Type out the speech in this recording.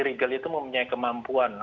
dan kri regal itu mempunyai kemampuan